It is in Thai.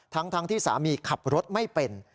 ทั้งที่สามีขับรถไม่เป็น